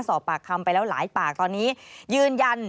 สอบปากคำไปแล้วหลายปากตอนนี้ยืนยัน